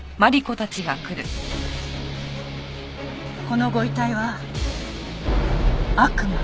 このご遺体は悪魔？